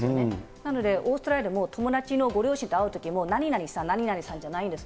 なのでオーストラリアでも友達のご両親と会うときも何々さん、何々さんじゃないんです。